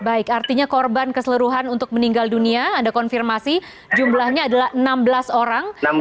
baik artinya korban keseluruhan untuk meninggal dunia anda konfirmasi jumlahnya adalah enam belas orang